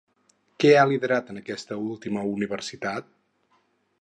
Què ha liderat en aquesta última universitat?